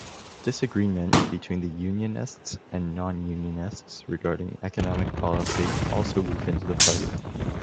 Disagreement between unionists and non-unionists regarding economic policy also weakened the party.